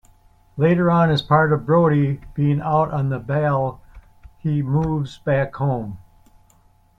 Later on as part of Brody being out on Bail he moves back home.